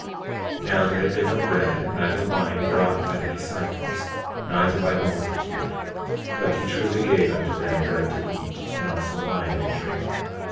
20:6 Now, there had been no bread, neither wine, brought by the disciples, neither by the multitude; 20:7 But he truly gave unto them bread to eat, and also wine to drink.